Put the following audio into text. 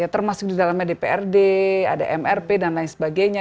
termasuk di dalamnya dprd ada mrp dan lain sebagainya